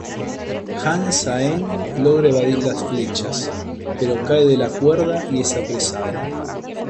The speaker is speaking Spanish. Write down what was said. Jang-saeng logra evadir las flechas, pero cae de la cuerda y es apresado.